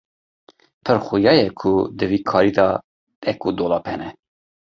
Pir xuya ye ku di vî karî de dek û dolap hene.